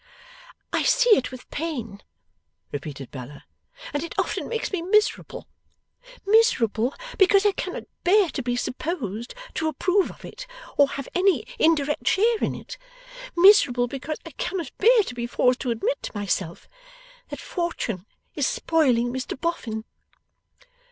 'I see it with pain,' repeated Bella, 'and it often makes me miserable. Miserable, because I cannot bear to be supposed to approve of it, or have any indirect share in it. Miserable, because I cannot bear to be forced to admit to myself that Fortune is spoiling Mr Boffin.